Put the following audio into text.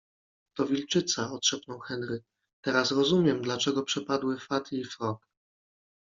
- To wilczyca - odszepnął Henry. - Teraz rozumiem, dlaczego przepadły Fatty i Frog.